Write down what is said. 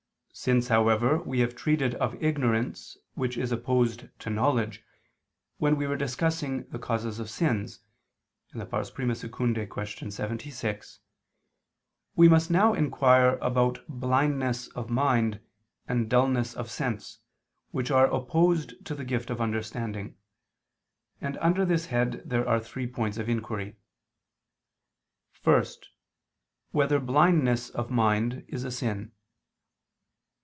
Since, however, we have treated of ignorance which is opposed to knowledge, when we were discussing the causes of sins (I II, Q. 76), we must now inquire about blindness of mind and dulness of sense, which are opposed to the gift of understanding; and under this head there are three points of inquiry: (1) Whether blindness of mind is a sin?